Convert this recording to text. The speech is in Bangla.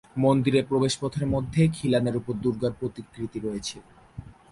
মন্দিরের প্রবেশপথের মধ্য খিলানের ওপর দুর্গার প্রতিকৃতি রয়েছে।